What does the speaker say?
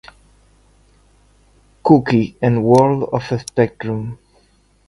Cookie en World of Spectrum